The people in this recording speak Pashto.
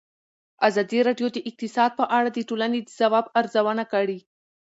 ازادي راډیو د اقتصاد په اړه د ټولنې د ځواب ارزونه کړې.